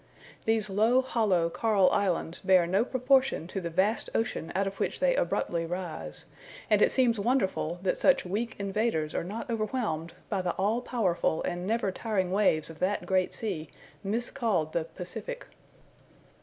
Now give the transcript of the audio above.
These low hollow coral islands bear no proportion to the vast ocean out of which they abruptly rise; and it seems wonderful, that such weak invaders are not overwhelmed, by the all powerful and never tiring waves of that great sea, miscalled the Pacific.